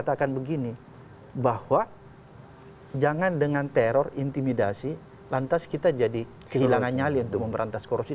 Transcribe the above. hai jangan dengan teror intimidasi lantas kita jadi kehilangan nyali untuk memberantasi korupsi